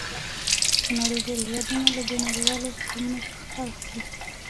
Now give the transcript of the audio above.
د نړۍ ډېر هېوادونه له دې نړیوالو سیسټمونو څخه کار اخلي.